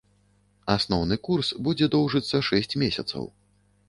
Асноўны курс будзе доўжыцца шэсць месяцаў.